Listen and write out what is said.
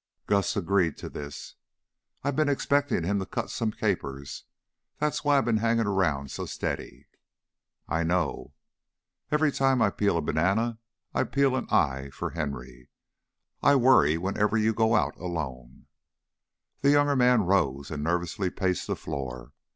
Gus agreed to this. "I been expectin' him to cut some capers. That's why I been hangin' around so steady." "I know." "Every time I peel a banana I peel an eye for Henry. I worry whenever you go out alone." The younger man rose and nervously paced the floor.